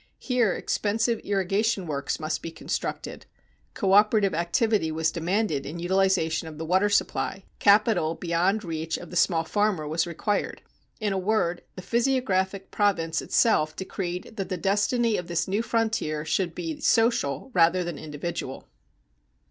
Here expensive irrigation works must be constructed, coöperative activity was demanded in utilization of the water supply, capital beyond the reach of the small farmer was required. In a word, the physiographic province itself decreed that the destiny of this new frontier should be social rather than individual.